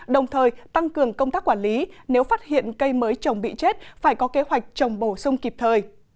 đồng thời tăng cường công tác quản lý nếu phát hiện cây mới trồng bị chết phải có kế hoạch trồng bổ sung kịp thời